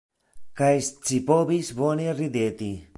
Kaj scipovis bone rideti.